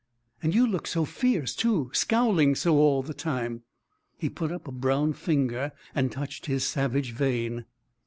"And you look so fierce, too scowling so all the time." He put up a brown finger and touched his savage vein.